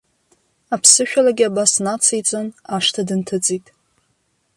Аԥсышәалагьы абас нациҵан, ашҭа дынҭыҵит.